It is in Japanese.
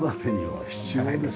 はい。